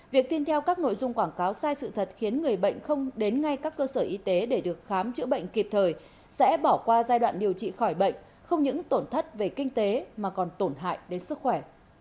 việc tin theo các nội dung quảng cáo sai sự thật khiến người bệnh không đến ngay các cơ sở y tế để được khám chữa bệnh kịp thời sẽ bỏ qua giai đoạn điều trị khỏi bệnh không những tổn thất về kinh tế mà còn tổn hại đến sức khỏe